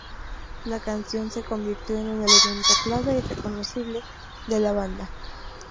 La canción se convirtió en un elemento clave y reconocible de la banda.